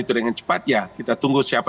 itu dengan cepat ya kita tunggu siapa